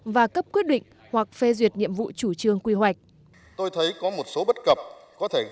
và cấp quyết định hoặc phê duyệt nhiệm vụ chủ trương quy hoạch